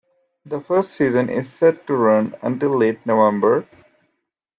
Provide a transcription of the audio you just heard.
The first season is set to run until late November.